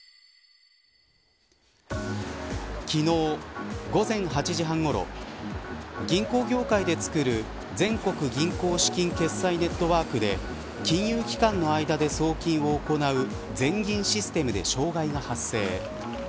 昨日、午前８時半ごろ銀行業界でつくる全国銀行資金決済ネットワークで金融機関の間で送金を行う全銀システムで障害が発生。